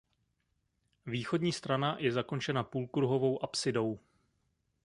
Východní strana je zakončena půlkruhovou apsidou.